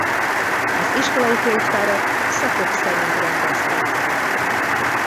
Az iskolai könyvtárat szakok szerint rendezte.